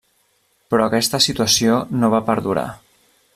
Però aquesta situació no va perdurar.